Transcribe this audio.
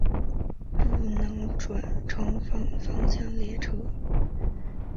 不能转乘反方向列车。